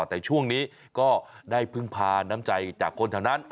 แต่ช่วงนี้ก็ได้พึ่งพาน้ำใจจากคนแถวนั้น